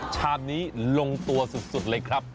ชามนี้ลงตัวสุดเลยครับ